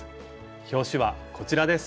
表紙はこちらです。